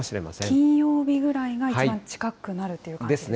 金曜日ぐらいが一番近くになるという感じですかね？